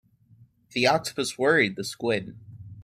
The octopus worried the squid.